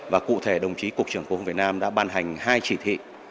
và cụ thể đồng chí cục trưởng cục hàng không việt nam đã ban hành hai chỉ thị